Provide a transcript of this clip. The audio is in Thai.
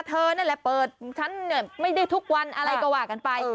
เธอนั่นแหละเปิดฉันไม่ได้ทุกวันอะไรก็ว่ากันไป